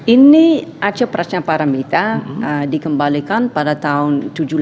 ini arca prasnaparamita dikembalikan pada tahun seribu sembilan ratus tujuh puluh delapan